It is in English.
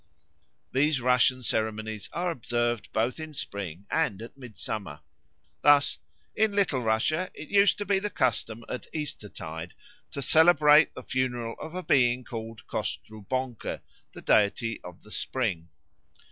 These Russian ceremonies are observed both in spring and at midsummer. Thus "in Little Russia it used to be the custom at Eastertide to celebrate the funeral of a being called Kostrubonko, the deity of the spring.